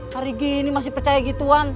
hari gini masih percaya gituan